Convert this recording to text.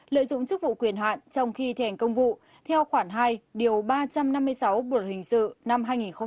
lợi dụng chức vụ quyền hạn trong khi thẻnh công vụ theo khoản hai ba trăm năm mươi sáu bộ hình sự năm hai nghìn một mươi năm